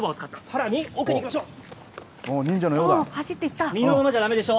さらに、奥に行きましょう。